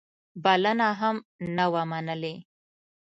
بلنه هم نه وه منلې.